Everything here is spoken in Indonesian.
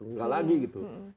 nggak lagi gitu